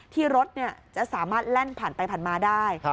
ที่รถจะสามารถแล่นผ่านไปผ่านมาได้